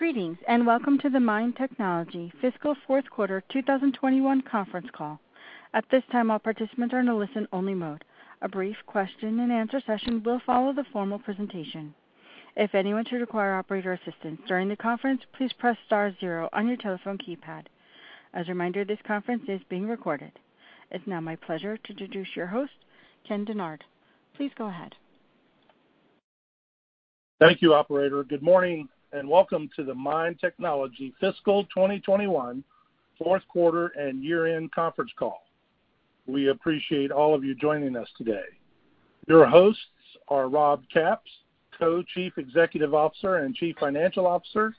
Greetings, welcome to the MIND Technology fiscal Q4 2021 conference call. At this time, all participants are in a listen-only mode. A brief question and answer session will follow the formal presentation. If anyone should require operator assistance during the conference, please press star zero on your telephone keypad. As a reminder, this conference is being recorded. It's now my pleasure to introduce your host, Ken Dennard. Please go ahead. Thank you, operator. Good morning, welcome to the MIND Technology fiscal 2021 Q4 and year-end conference call. We appreciate all of you joining us today. Your hosts are Rob Capps, Co-Chief Executive Officer and Chief Financial Officer,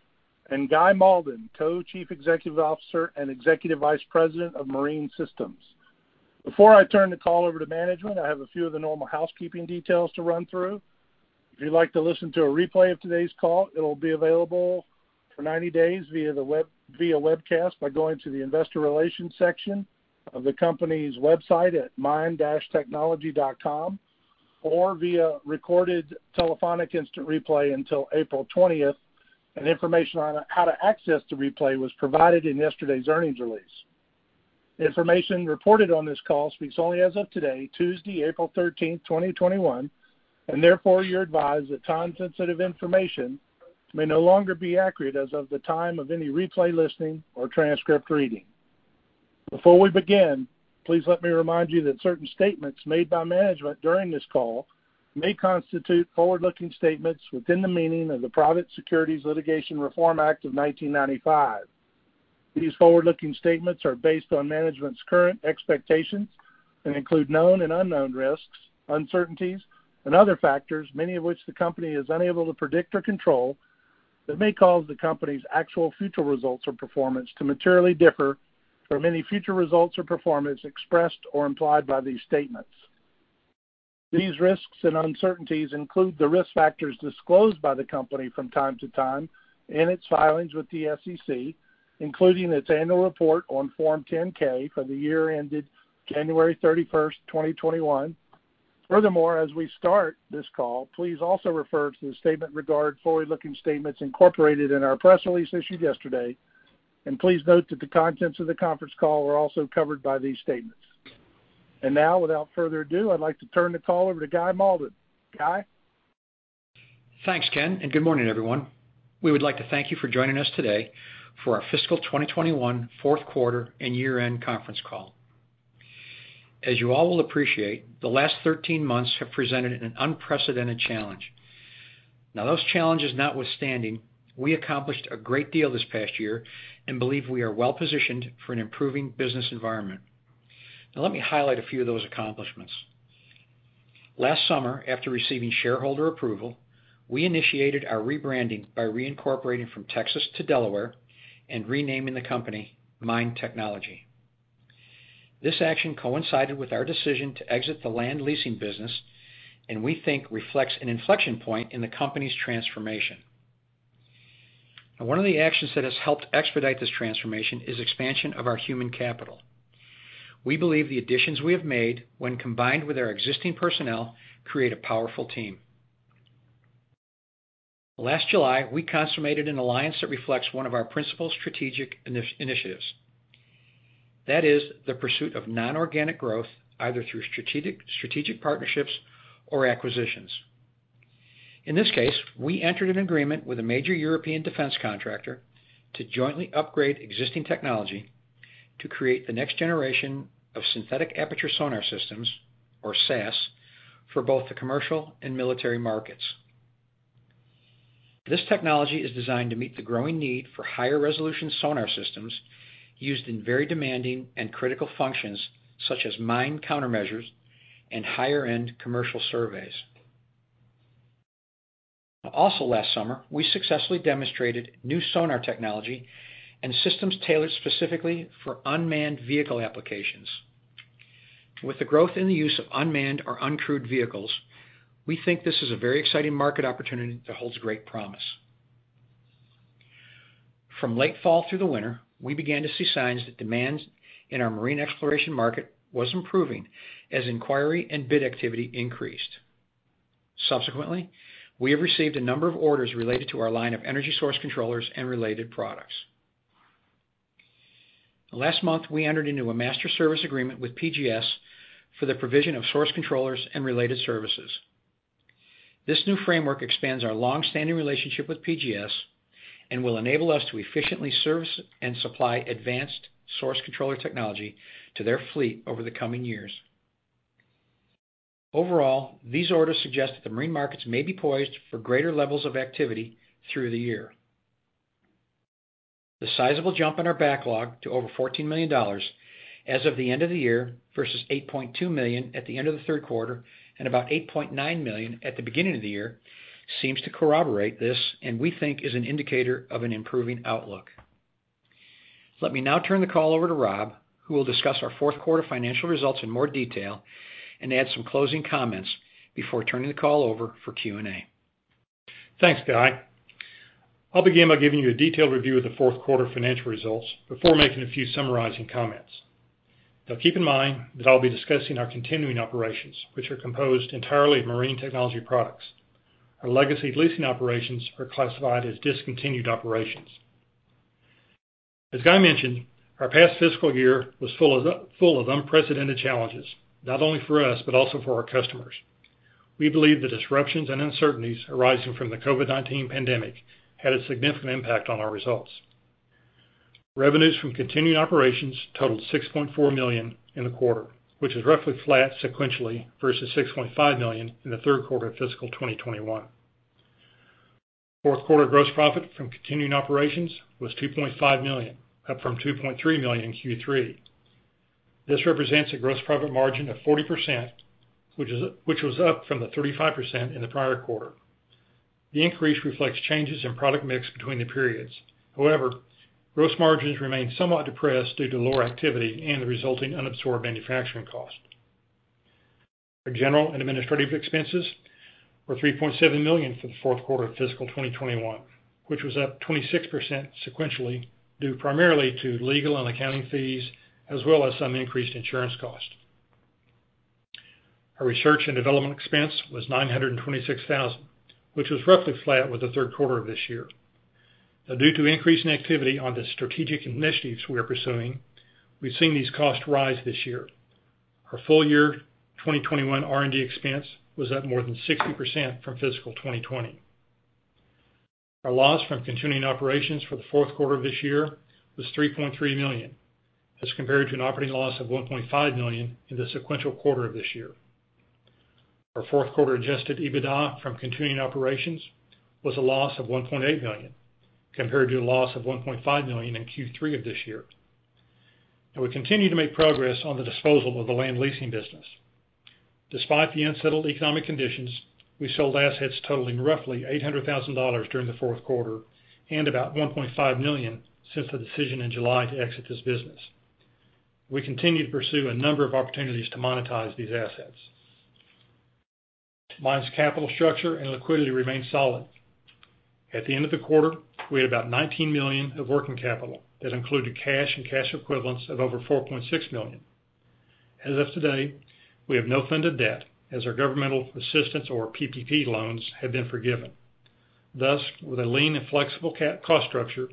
and Guy Malden, Co-Chief Executive Officer and Executive Vice President of Marine Systems. Before I turn the call over to management, I have a few of the normal housekeeping details to run through. If you'd like to listen to a replay of today's call, it'll be available for 90 days via webcast by going to the investor relations section of the company's website at mind-technology.com, or via recorded telephonic instant replay until April 20th. Information on how to access the replay was provided in yesterday's earnings release. Information reported on this call speaks only as of today, Tuesday, April 13th, 2021, and therefore, you're advised that time-sensitive information may no longer be accurate as of the time of any replay listening or transcript reading. Before we begin, please let me remind you that certain statements made by management during this call may constitute forward-looking statements within the meaning of the Private Securities Litigation Reform Act of 1995. These forward-looking statements are based on management's current expectations and include known and unknown risks, uncertainties, and other factors, many of which the company is unable to predict or control, that may cause the company's actual future results or performance to materially differ from any future results or performance expressed or implied by these statements. These risks and uncertainties include the risk factors disclosed by the company from time to time in its filings with the SEC, including its annual report on Form 10-K for the year ended January 31st, 2021. Furthermore, as we start this call, please also refer to the statement regarding forward-looking statements incorporated in our press release issued yesterday, and please note that the contents of the conference call are also covered by these statements. Now, without further ado, I'd like to turn the call over to Guy Malden. Guy? Thanks, Ken, and good morning, everyone. We would like to thank you for joining us today for our fiscal 2021 Q4 and year-end conference call. As you all will appreciate, the last 13 months have presented an unprecedented challenge. Now, those challenges notwithstanding, we accomplished a great deal this past year and believe we are well-positioned for an improving business environment. Now, let me highlight a few of those accomplishments. Last summer, after receiving shareholder approval, we initiated our rebranding by reincorporating from Texas to Delaware and renaming the company MIND Technology. This action coincided with our decision to exit the land leasing business, and we think reflects an inflection point in the company's transformation. Now, one of the actions that has helped expedite this transformation is expansion of our human capital. We believe the additions we have made, when combined with our existing personnel, create a powerful team. Last July, we consummated an alliance that reflects one of our principal strategic initiatives. That is the pursuit of non-organic growth, either through strategic partnerships or acquisitions. In this case, we entered an agreement with a major European defense contractor to jointly upgrade existing technology to create the next generation of synthetic aperture sonar systems, or SAS, for both the commercial and military markets. This technology is designed to meet the growing need for higher resolution sonar systems used in very demanding and critical functions such as mine countermeasures and higher-end commercial surveys. Also last summer, we successfully demonstrated new sonar technology and systems tailored specifically for unmanned vehicle applications. With the growth in the use of unmanned or uncrewed vehicles, we think this is a very exciting market opportunity that holds great promise. From late fall through the winter, we began to see signs that demand in our marine exploration market was improving as inquiry and bid activity increased. Subsequently, we have received a number of orders related to our line of energy source controllers and related products. Last month, we entered into a master service agreement with PGS for the provision of source controllers and related services. This new framework expands our longstanding relationship with PGS and will enable us to efficiently service and supply advanced source controller technology to their fleet over the coming years. Overall, these orders suggest that the marine markets may be poised for greater levels of activity through the year. The sizable jump in our backlog to over $14 million as of the end of the year versus $8.2 million at the end of the Q3 and about $8.9 million at the beginning of the year seems to corroborate this and we think is an indicator of an improving outlook. Let me now turn the call over to Rob, who will discuss our Q4 financial results in more detail and add some closing comments before turning the call over for Q&A. Thanks, Guy. I'll begin by giving you a detailed review of the Q4 financial results before making a few summarizing comments. Now keep in mind that I'll be discussing our continuing operations, which are composed entirely of marine technology products. Our legacy leasing operations are classified as discontinued operations. As Guy Malden mentioned, our past fiscal year was full of unprecedented challenges, not only for us, but also for our customers. We believe the disruptions and uncertainties arising from the COVID-19 pandemic had a significant impact on our results. Revenues from continuing operations totaled $6.4 million in the quarter, which is roughly flat sequentially versus $6.5 million in the Q3 of fiscal 2021. Q4 gross profit from continuing operations was $2.5 million, up from $2.3 million in Q3. This represents a gross profit margin of 40%, which was up from the 35% in the prior quarter. The increase reflects changes in product mix between the periods. However, gross margins remain somewhat depressed due to lower activity and the resulting unabsorbed manufacturing cost. Our general and administrative expenses were $3.7 million for the Q4 of fiscal 2021, which was up 26% sequentially, due primarily to legal and accounting fees, as well as some increased insurance costs. Our research and development expense was $926,000, which was roughly flat with the Q3 of this year. Now due to increasing activity on the strategic initiatives we are pursuing, we've seen these costs rise this year. Our full year 2021 R&D expense was up more than 60% from fiscal 2020. Our loss from continuing operations for the Q4 of this year was $3.3 million, as compared to an operating loss of $1.5 million in the sequential quarter of this year. Our Q4 adjusted EBITDA from continuing operations was a loss of $1.8 million, compared to a loss of $1.5 million in Q3 of this year. Now we continue to make progress on the disposal of the land leasing business. Despite the unsettled economic conditions, we sold assets totaling roughly $800,000 during the Q4, and about $1.5 million since the decision in July to exit this business. We continue to pursue a number of opportunities to monetize these assets. MIND's capital structure and liquidity remain solid. At the end of the quarter, we had about $19 million of working capital that included cash and cash equivalents of over $4.6 million. As of today, we have no funded debt as our governmental assistance or PPP loans have been forgiven. Thus, with a lean and flexible cost structure,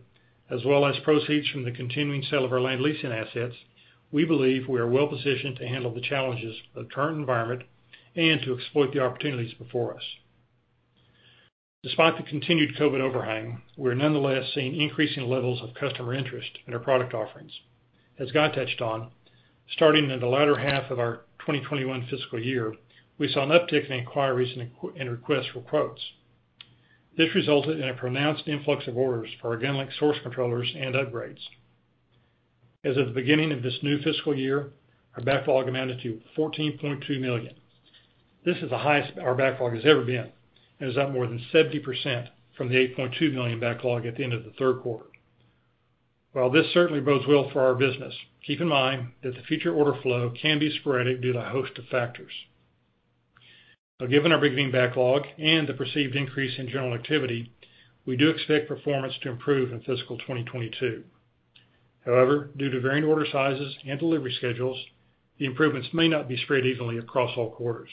as well as proceeds from the continuing sale of our land leasing assets, we believe we are well-positioned to handle the challenges of the current environment and to exploit the opportunities before us. Despite the continued COVID overhang, we're nonetheless seeing increasing levels of customer interest in our product offerings. As Guy touched on, starting in the latter half of our 2021 fiscal year, we saw an uptick in inquiries and requests for quotes. This resulted in a pronounced influx of orders for our GunLink source controllers and upgrades. As of the beginning of this new fiscal year, our backlog amounted to $14.2 million. This is the highest our backlog has ever been and is up more than 70% from the $8.2 million backlog at the end of the Q3. While this certainly bodes well for our business, keep in mind that the future order flow can be sporadic due to a host of factors. Given our beginning backlog and the perceived increase in general activity, we do expect performance to improve in fiscal 2022. However, due to varying order sizes and delivery schedules, the improvements may not be spread evenly across all quarters.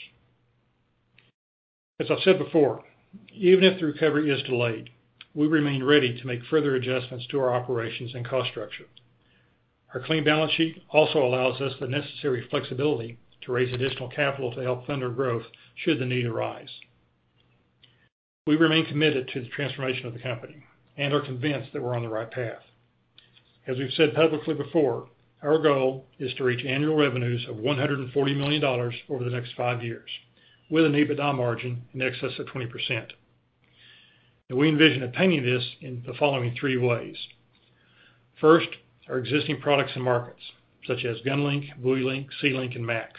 As I've said before, even if the recovery is delayed, we remain ready to make further adjustments to our operations and cost structure. Our clean balance sheet also allows us the necessary flexibility to raise additional capital to help fund our growth should the need arise. We remain committed to the transformation of the company and are convinced that we're on the right path. As we've said publicly before, our goal is to reach annual revenues of $140 million over the next five years with an EBITDA margin in excess of 20%. We envision attaining this in the following three ways. First, our existing products and markets, such as GunLink, BuoyLink, SeaLink, and MA-X.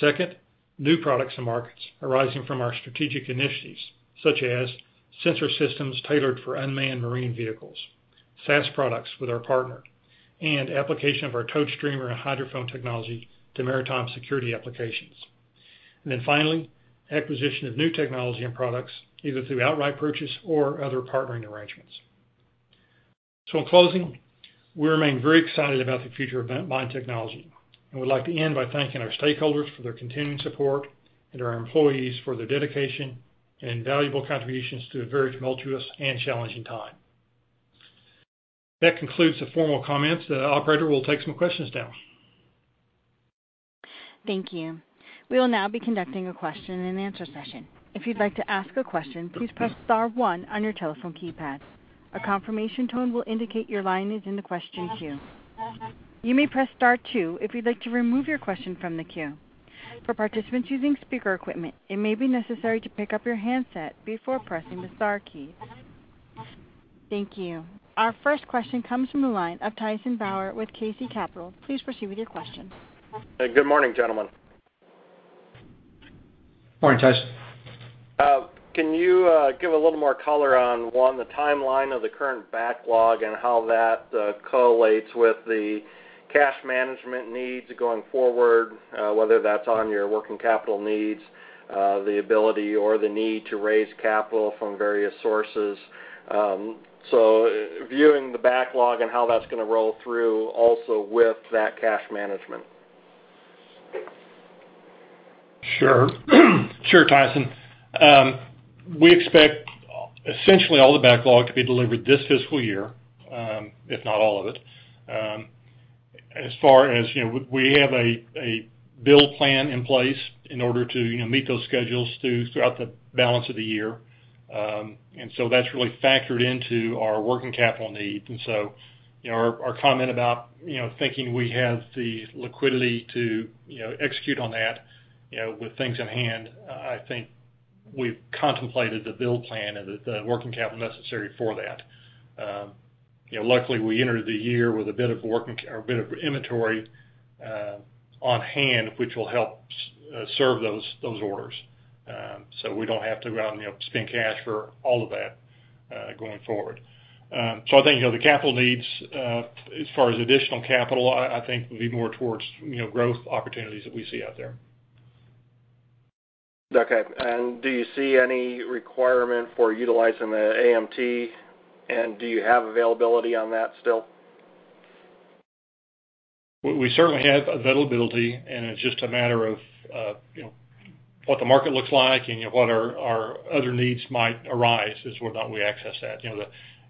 Second, new products and markets arising from our strategic initiatives, such as sensor systems tailored for unmanned marine vehicles, SAS products with our partner, and application of our tow streamer and hydrophone technology to maritime security applications. Finally, acquisition of new technology and products, either through outright purchase or other partnering arrangements. In closing, we remain very excited about the future of MIND Technology, and we'd like to end by thanking our stakeholders for their continuing support and our employees for their dedication and valuable contributions through a very tumultuous and challenging time. That concludes the formal comments. The operator will take some questions now. Thank you. We will now be conducting a question and answer session. If you'd like to ask a question, please press star one on your telephone keypad. A confirmation tone will indicate your line is in the question queue. You may press star two if you'd like to remove your question from the queue. For participants using speaker equipment, it may be necessary to pick up your handset before pressing the star key. Thank you. Our first question comes from the line of Tyson Bauer with KC Capital. Please proceed with your question. Good morning, gentlemen. Morning, Tyson. Can you give a little more color on, one, the timeline of the current backlog and how that correlates with the cash management needs going forward, whether that's on your working capital needs, the ability or the need to raise capital from various sources? Viewing the backlog and how that's going to roll through also with that cash management. Sure. Sure, Tyson. We expect essentially all the backlog to be delivered this fiscal year, if not all of it. We have a build plan in place in order to meet those schedules throughout the balance of the year. That's really factored into our working capital needs. Our comment about thinking we have the liquidity to execute on that, with things in hand, I think we've contemplated the build plan and the working capital necessary for that. Luckily, we entered the year with a bit of inventory on hand, which will help serve those orders. We don't have to go out and spend cash for all of that going forward. I think, the capital needs, as far as additional capital, I think will be more towards growth opportunities that we see out there. Okay. Do you see any requirement for utilizing the ATM, and do you have availability on that still? We certainly have availability. It's just a matter of what the market looks like and what our other needs might arise is whether or not we access that. The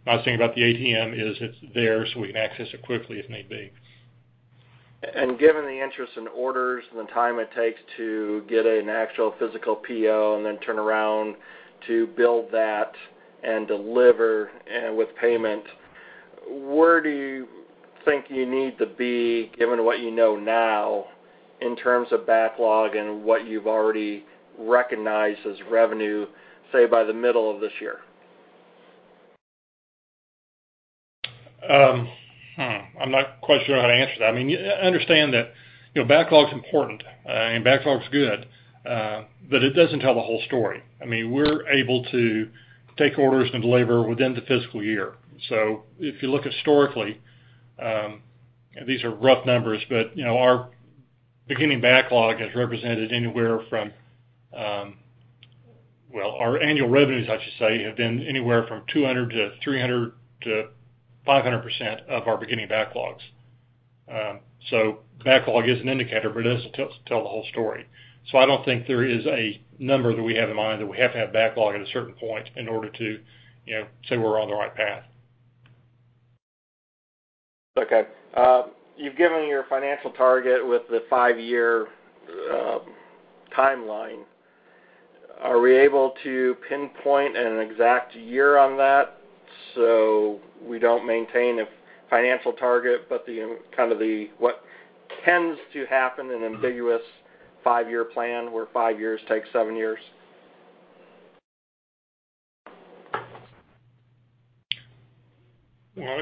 nice thing about the ATM is it's there, so we can access it quickly if need be. Given the interest and orders and the time it takes to get an actual physical PO and then turn around to build that and deliver with payment, where do you think you need to be, given what you know now, in terms of backlog and what you've already recognized as revenue, say, by the middle of this year? I'm not quite sure how to answer that. Understand that backlog's important, and backlog's good. It doesn't tell the whole story. We're able to take orders and deliver within the fiscal year. If you look historically, these are rough numbers, but our beginning backlog is represented anywhere from Well, our annual revenues, I should say, have been anywhere from 200%-300%-500% of our beginning backlogs. Backlog is an indicator, but it doesn't tell the whole story. I don't think there is a number that we have in mind that we have to have backlog at a certain point in order to say we're on the right path. Okay. You've given your financial target with the five-year timeline. Are we able to pinpoint an exact year on that? We don't maintain a financial target, but what tends to happen, an ambiguous five-year plan where five years takes seven years?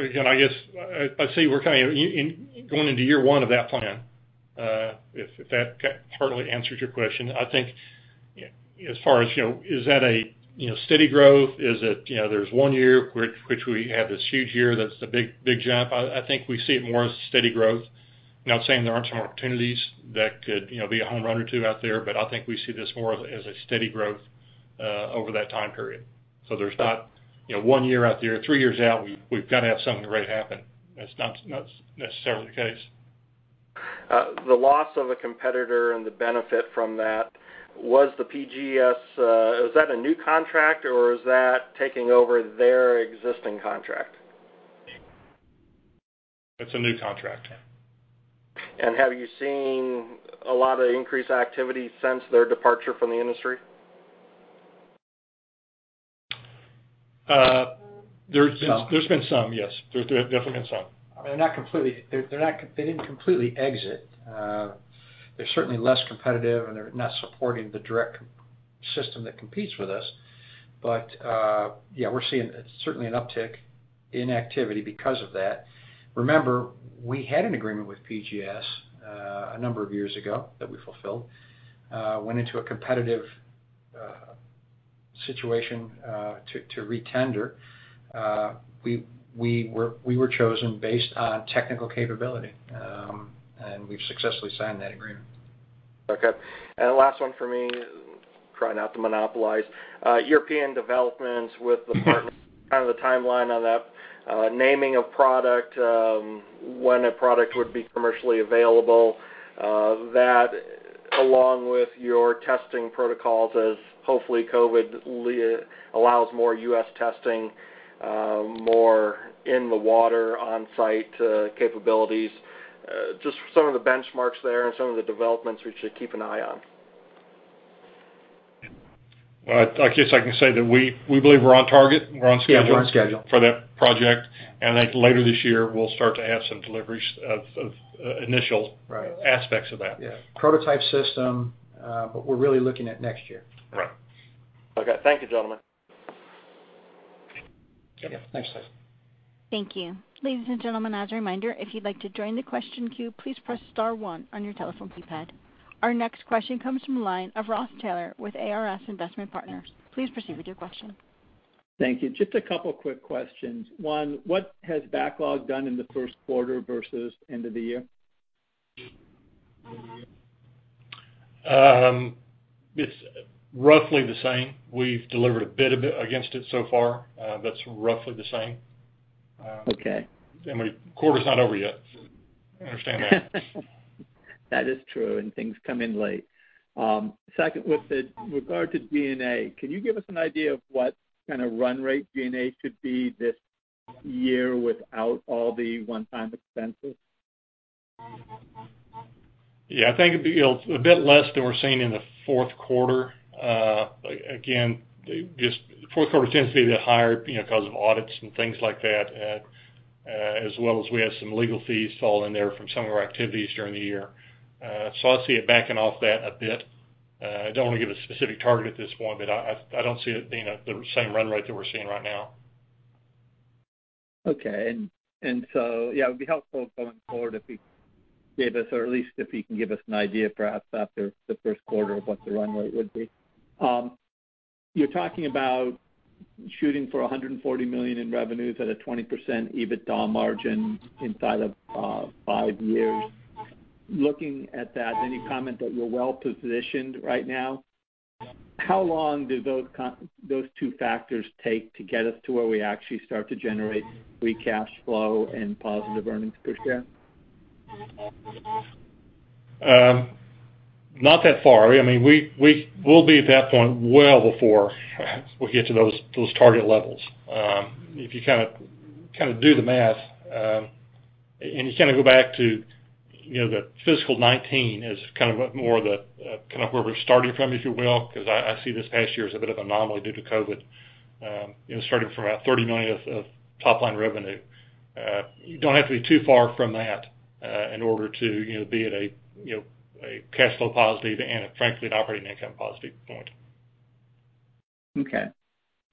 Again, I guess I'd say we're going into year one of that plan. If that partly answers your question. I think as far as, is that a steady growth? Is it there's one year which we have this huge year that's the big jump. I think we see it more as a steady growth. Not saying there aren't some opportunities that could be a home run or two out there, but I think we see this more as a steady growth over that time period. There's not one year out there, three years out, we've got to have something great happen. That's not necessarily the case. The loss of a competitor and the benefit from that, was the PGS, is that a new contract or is that taking over their existing contract? It's a new contract. Have you seen a lot of increased activity since their departure from the industry? There's been some, yes. There's definitely been some. They didn't completely exit. They're certainly less competitive, and they're not supporting the direct system that competes with us. Yeah, we're seeing certainly an uptick in activity because of that. Remember, we had an agreement with PGS a number of years ago that we fulfilled, went into a competitive situation to retender. We were chosen based on technical capability, and we've successfully signed that agreement. Okay. Last one for me. Try not to monopolize. European developments with the partners, kind of the timeline on that. Naming of product, when a product would be commercially available. That along with your testing protocols as hopefully COVID allows more U.S. testing, more in the water on-site capabilities. Just some of the benchmarks there and some of the developments we should keep an eye on. I guess I can say that we believe we're on target. We're on schedule. Yeah, we're on schedule. for that project. I think later this year, we'll start to have some deliveries of. Right aspects of that. Yeah. Prototype system, but we're really looking at next year. Right. Okay. Thank you, gentlemen. Okay. Thanks, Tyson. Thank you. Ladies and gentlemen, as a reminder, if you'd like to join the question queue, please press star 1 on your telephone keypad. Our next question comes from the line of Ross Taylor with ARS Investment Partners. Please proceed with your question. Thank you. Just a couple quick questions. One, what has backlog done in the Q1 versus end of the year? It's roughly the same. We've delivered a bit against it so far. That's roughly the same. Okay. The quarter's not over yet. Understand that. That is true, and things come in late. Second, with regard to G&A, can you give us an idea of what kind of run rate G&A should be this year without all the one-time expenses? Yeah. I think it'd be a bit less than we're seeing in the Q4. Again, the Q4 tends to be the higher because of audits and things like that, as well as we have some legal fees fall in there from some of our activities during the year. I see it backing off that a bit. I don't want to give a specific target at this point, but I don't see it being at the same run rate that we're seeing right now. Okay. Yeah, it'd be helpful going forward if you gave us, or at least if you can give us an idea, perhaps after the Q1, of what the run rate would be. You're talking about shooting for $140 million in revenues at a 20% EBITDA margin inside of five years. Looking at that, and you comment that you're well-positioned right now, how long do those two factors take to get us to where we actually start to generate free cash flow and positive earnings per share? Not that far. We'll be at that point well before we get to those target levels. If you do the math, and you go back to the FY 2019 as more kind of wherever it started from, if you will, because I see this past year as a bit of anomaly due to COVID. Starting from about $30 million of top-line revenue. You don't have to be too far from that in order to be at a cash flow positive and frankly, an operating income positive point. Okay.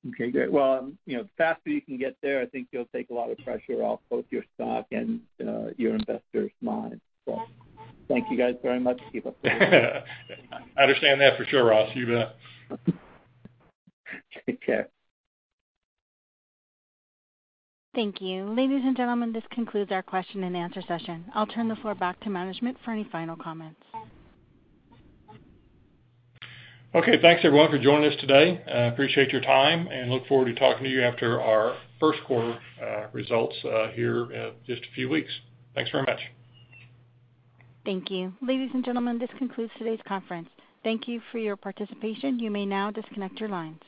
Okay, good. Well, the faster you can get there, I think you'll take a lot of pressure off both your stock and your investors' minds. Thank you guys very much. Keep up the good work. I understand that for sure, Ross. You bet. Take care. Thank you. Ladies and gentlemen, this concludes our question and answer session. I'll turn the floor back to management for any final comments. Okay, thanks everyone for joining us today. Appreciate your time and look forward to talking to you after our Q1 results here in just a few weeks. Thanks very much. Thank you. Ladies and gentlemen, this concludes today's conference. Thank you for your participation. You may now disconnect your lines.